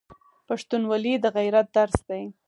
پښتونولي د غیرت درس دی.